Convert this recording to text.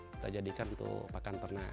kita jadikan untuk pakan ternak